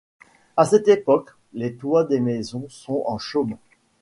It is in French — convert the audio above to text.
À cette époque, les toits des maisons sont en chaume.